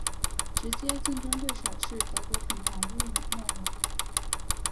直接竞争对手是德国品牌日默瓦。